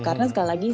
karena sekali lagi